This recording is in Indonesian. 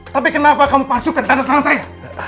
tapi kenapa kamu pasukan tanda tangan saya